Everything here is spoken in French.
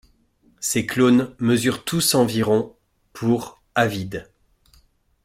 Ces clones mesurent tous environ pour à vide.